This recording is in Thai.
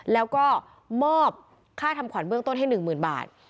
แล้วก็มอบค่าทำขวัญเบื้องต้นให้หนึ่งหมื่นบาท